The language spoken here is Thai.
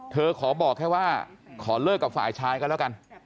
ขอบอกแค่ว่าขอเลิกกับฝ่ายชายกันแล้วกัน